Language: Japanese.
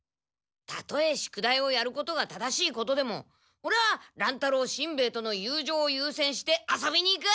たとえ宿題をやることが正しいことでもオレは乱太郎しんべヱとの友情を優先して遊びに行く！